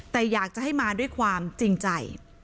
แต่อยากจะให้มาด้วยความจริงใจ